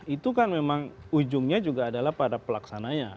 itu kan memang ujungnya juga adalah pada pelaksananya